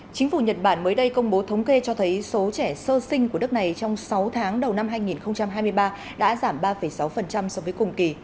chính phủ nhật bản mới đây công bố thống kê cho thấy số trẻ sơ sinh của đất này trong sáu tháng đầu năm hai nghìn hai mươi ba đã giảm ba sáu so với cùng kỳ